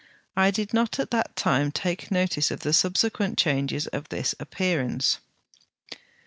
I did not at that time take notice of the subsequent changes of this appearance. 45.